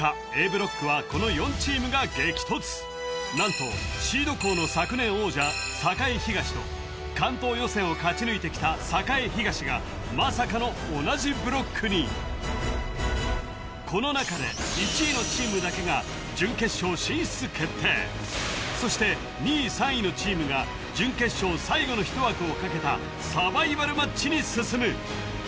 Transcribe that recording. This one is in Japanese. Ａブロックはこの４チームが激突何とシード校の昨年王者栄東と関東予選を勝ち抜いてきた栄東がまさかの同じブロックにこの中で１位のチームだけが準決勝進出決定そして２位３位のチームが準決勝最後の１枠をかけたサバイバルマッチに進む